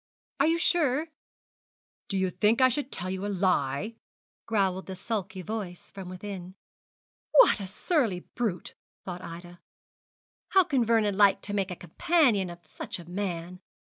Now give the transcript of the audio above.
'Are you sure?' 'Do you think I should tell you a lie?' growled the sulky voice from within. 'What a surly brute!' thought Ida. 'How can Vernon like to make a companion of such a man?'